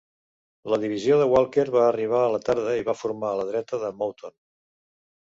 La divisió de Walker va arribar a la tarda i va formar a la dreta de Mouton.